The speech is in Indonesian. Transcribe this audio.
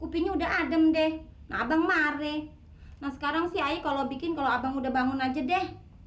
kupinya udah adem deh abang mari nah sekarang sih ayah kalau bikin kalau abang udah bangun aja deh